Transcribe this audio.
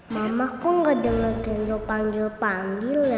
mama kok gak denger panggil panggil ya